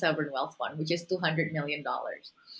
yang berbeda adalah dua ratus juta dolar